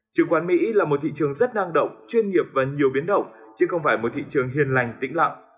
chứng khoán mỹ là một thị trường rất năng động chuyên nghiệp và nhiều biến động chứ không phải một thị trường hiền lành tĩnh lặng